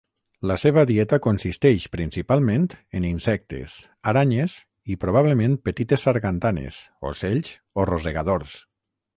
La seva dieta consisteix principalment en insectes, aranyes i, probablement, petites sargantanes, ocells o rosegadors.